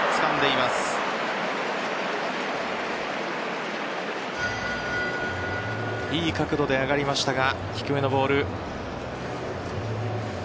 いい角度で上がりましたが低めのボール。